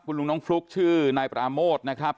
ลุงน้องฟลุ๊กชื่อนายปราโมทนะครับ